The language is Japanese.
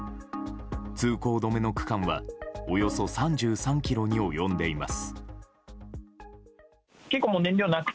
通行止めの区間はおよそ３３ｋｍに及んでいます。